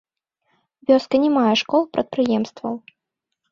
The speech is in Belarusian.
Вёска не мае школ, прадпрыемстваў.